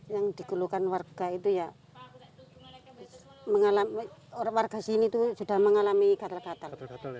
yang dikeluhkan warga itu ya warga sini sudah mengalami katel katel